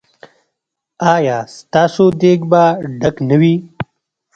ایا ستاسو دیګ به ډک نه وي؟